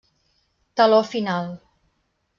Teló final.